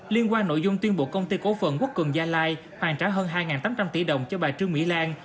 liên quan nội dung tuyên bộ công ty cố phận quốc cường gia lai hoàn trả hơn hai tám trăm linh tỷ đồng cho bà trương mỹ lan